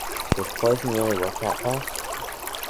Does poison really work that fast?